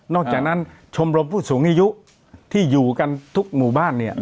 อกจากนั้นชมรมผู้สูงอายุที่อยู่กันทุกหมู่บ้านเนี่ย